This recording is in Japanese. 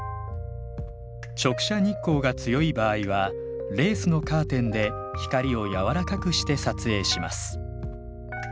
直射日光が強い場合はレースのカーテンで光を柔らかくして撮影します